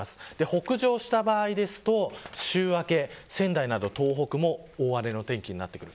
北上した場合だと週明け、仙台など東北も大荒れの天気になってくる。